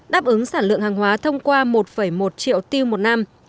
đáp ứng sản lượng hàng hóa thông qua một một triệu tiêu một năm